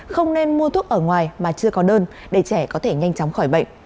không nên mua thuốc ở ngoài mà chưa có đơn để trẻ có thể nhanh chóng khỏi bệnh